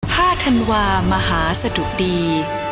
ธันวามหาสะดุดี